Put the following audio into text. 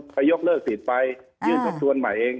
เขายกเลิกสิทธิ์ไปยื่นทบทวนใหม่เอง